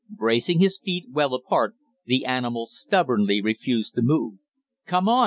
Bracing his feet well apart, the animal stubbornly refused to move. "Come on!"